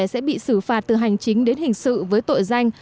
sẽ bị xử phạt từ hành chính đến hình sự với tội danh